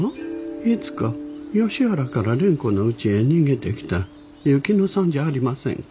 いつか吉原から蓮子のうちへ逃げてきた雪乃さんじゃありませんか。